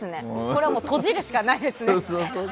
これはもう閉じるしかないですね。